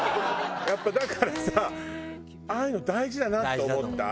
やっぱだからさああいうの大事だなって思った。